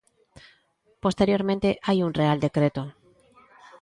Posteriormente hai un real decreto.